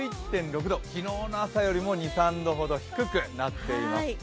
昨日の朝よりも２３度ほど低くなっています。